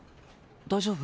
大丈夫？